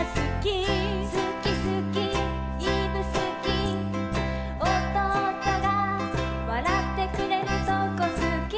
「すきすきいぶすき」「弟がわらってくれるとこすき」